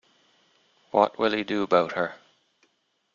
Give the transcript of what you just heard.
What will you do about her?